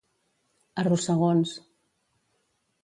A rossegons.